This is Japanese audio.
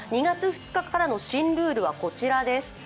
２月２日からの新ルールはこちらです。